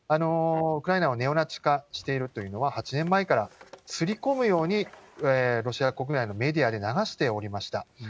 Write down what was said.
ウクライナはネオナチ化しているというのは、８年前からすり込むように、ロシア国内のメディアで流しておりました。